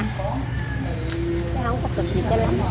chứ không có cực gì cho lắm